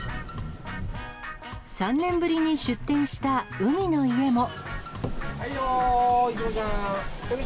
３年ぶりに出店した海の家も。